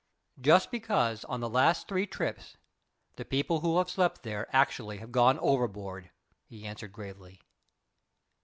"Just because on the three last trips the people who have slept there actually have gone overboard," he answered gravely.